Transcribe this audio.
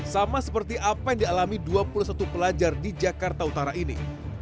sama seperti apa yang dialami dua puluh satu pelajar di jakarta utara ini